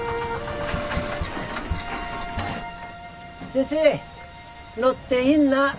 先生乗っていっな？